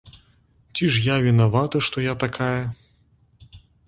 Ці ж я вінавата, што я такая?